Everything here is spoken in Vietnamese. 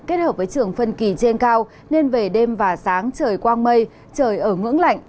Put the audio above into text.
kết hợp với trường phân kỳ trên cao nên về đêm và sáng trời quang mây trời ở ngưỡng lạnh